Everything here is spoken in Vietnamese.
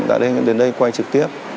đã đến đây quay trực tiếp